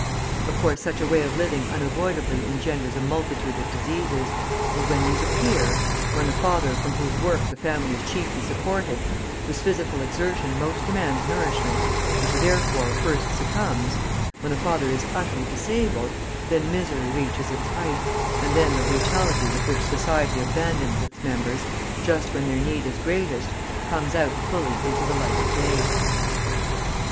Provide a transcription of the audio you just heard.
Of course such a way of living unavoidably engenders a multitude of diseases, and when these appear, when the father from whose work the family is chiefly supported, whose physical exertion most demands nourishment, and who therefore first succumbs when the father is utterly disabled, then misery reaches its height, and then the brutality with which society abandons its members, just when their need is greatest, comes out fully into the light of day.